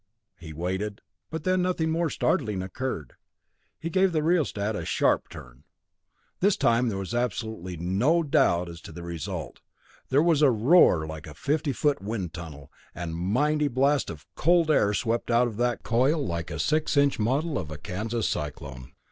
He waited, but when nothing more startling occurred, he gave the rheostat a sharp turn. This time there was absolutely no doubt as to the result. There was a roar like a fifty foot wind tunnel, and a mighty blast of cold air swept out of that coil like a six inch model of a Kansas cyclone.